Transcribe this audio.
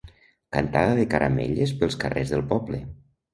Cantada de Caramelles pels carrers del poble.